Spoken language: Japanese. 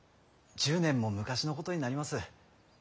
１０年も昔のことになります。